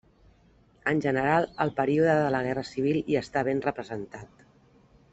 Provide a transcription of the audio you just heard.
En general el període de la Guerra Civil hi està ben representat.